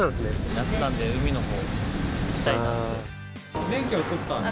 夏なんで、海のほう行きたい免許取ったんで。